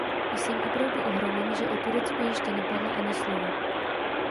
Jsem opravdu ohromen, že o Turecku ještě nepadlo ani slovo!